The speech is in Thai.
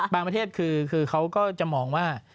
ประเทศคือเขาก็จะมองว่า